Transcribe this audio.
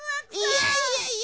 いやいやいや！